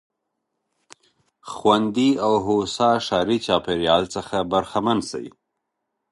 خوندي او هوسا ښاري چاپېريال څخه برخمن سي.